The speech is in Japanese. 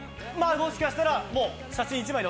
もしかしたら写真１枚で